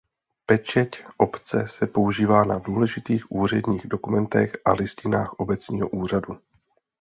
Pečeť obce se používá na důležitých úředních dokumentech a listinách obecního úřadu.